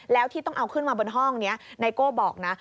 แล้วที่ต้องเอาขึ้นมาบนห้องนี้ไนโก้บอกนะ